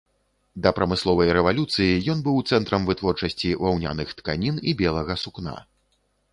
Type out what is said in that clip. Да прамысловай рэвалюцыі ён быў цэнтрам вытворчасці ваўняных тканін і белага сукна.